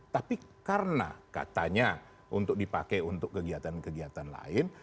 tapi karena katanya untuk dipakai untuk kegiatan kegiatan lain